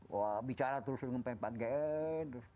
wah bicara terus dengan pak heru